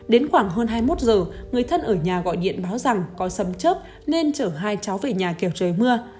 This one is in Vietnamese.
đến khoảng hơn hai mươi một h người thân ở nhà gọi điện báo rằng có sầm chớp nên chở hai cháu về nhà kéo trời mưa